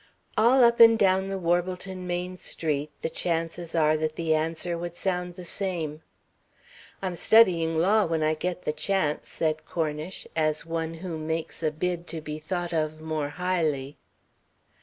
All up and down the Warbleton main street, the chances are that the answer would sound the same. "I'm studying law when I get the chance," said Cornish, as one who makes a bid to be thought of more highly.